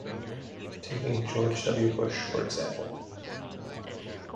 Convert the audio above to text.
Taking George W. Bush, for example.